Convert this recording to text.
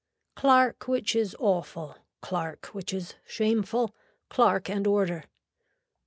Clark which is awful, clark which is shameful, clark and order.